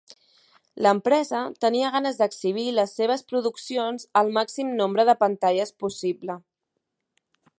L'empresa tenia ganes d'exhibir les seves produccions al màxim nombre de pantalles possible.